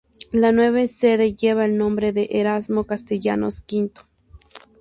La nueva sede lleva el nombre de Erasmo Castellanos Quinto.